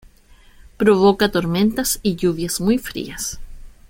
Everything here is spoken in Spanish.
Provoca tormentas y lluvias muy frías.